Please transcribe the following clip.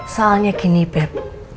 soalnya gini babe